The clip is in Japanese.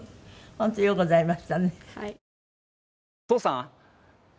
本当ようございましたね。